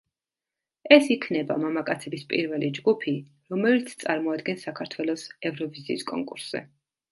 ეს იქნება მამაკაცების პირველი ჯგუფი, რომელიც წარმოადგენს საქართველოს ევროვიზიის კონკურსზე.